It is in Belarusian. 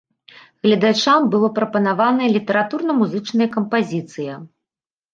Гледачам была прапанаваная літаратурна-музычная кампазіцыя.